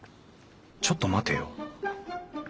ちょっと待てよ。